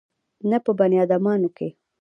نه په بنيادامانو کښې.